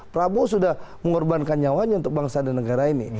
prabowo sudah mengorbankan nyawanya untuk bangsa dan negara ini